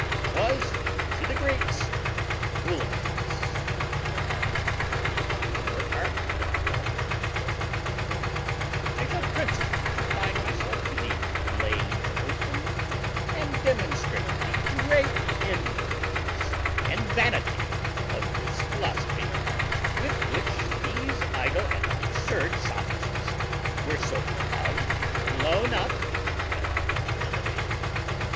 It was to the Greeks FOOLISHNESS. In the former part, therefore, of my discourse on these words, I shall principally confine myself to the laying open and demonstrating the great emptiness and vanity of this philosophy, with which these idle and absurd sophists were so proudly blown up and elevated.